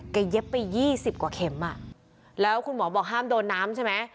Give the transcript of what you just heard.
เย็บไป๒๐กว่าเข็มอ่ะแล้วคุณหมอบอกห้ามโดนน้ำใช่ไหม